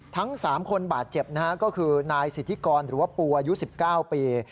ทั้ง๓คนบาดเจ็บนะฮะก็คือนายสิทธิกรหรือว่าปูอายุ๑๙ปี